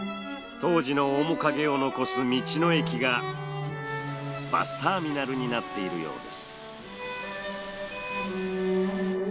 当時の面影を残す道の駅がバスターミナルになっているようです。